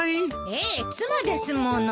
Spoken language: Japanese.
ええ妻ですもの。